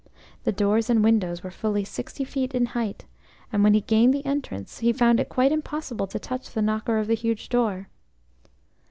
The doors and windows were fully sixty feet in height, and when he gained the entrance he found it quite impossible to touch the knocker of the huge door.